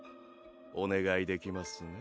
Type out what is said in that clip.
お願いできますね？